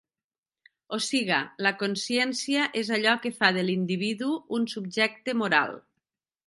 O siga, la consciència és allò que fa de l'individu un subjecte moral.